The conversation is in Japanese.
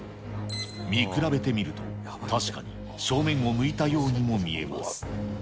見比べてみると、確かに正面を向いたようにも見えます。